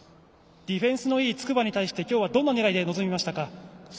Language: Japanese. ディフェンスのいい筑波に対してどんなところで臨みましたか。